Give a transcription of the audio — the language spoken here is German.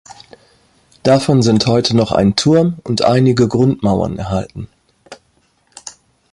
Davon sind heute noch ein Turm und einige Grundmauern erhalten.